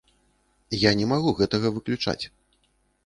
Я не магу гэтага выключаць.